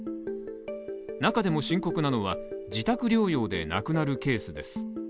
中でも深刻なのは、自宅療養で亡くなるケースです。